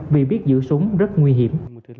vì biết giữ súng rất nguy hiểm